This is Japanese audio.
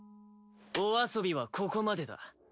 お遊びはここまでだ。